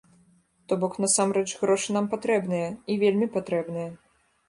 То бок, насамрэч, грошы нам патрэбныя, і вельмі патрэбныя.